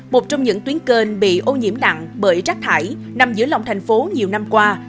một trong những tuyến kênh bị ô nhiễm nặng bởi rác thải nằm giữa lòng thành phố nhiều năm qua